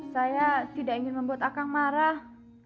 saya tidak ingin membuat akang marah